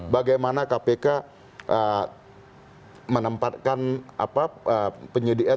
bagaimana kpk menempatkan penyelidikan